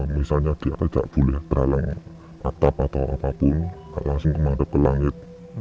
misalnya dia tidak boleh terhalang atap atau apapun langsung kemantep ke langit